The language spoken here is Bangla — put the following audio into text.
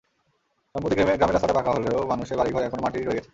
সম্প্রতি গ্রামের রাস্তাটা পাকা হলেও মানুষের বাড়িঘর এখনো মাটিরই রয়ে গেছে।